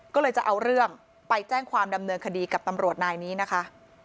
ก็เลยจะเอาเรื่องไปแจ้งความดำเนินคดีกับตำรวจนายนี้นะคะ